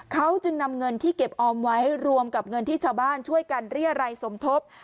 เขาจึงนำเงินที่เก็บออมไว้รวมกับเงินที่ชาวบ้านช่วยกันเรียรัยสมทบ